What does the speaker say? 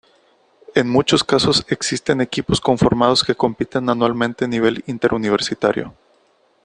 En muchos casos existen equipos conformados que compiten anualmente nivel inter-universitario.